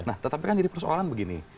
nah tetapi kan jadi persoalan begini